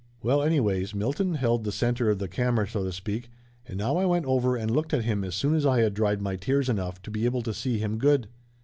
Well anyways, Milton held the center of the camera so to speak, and now I went over and looked at him as soon as I had dried my tears enough to be able to see him good.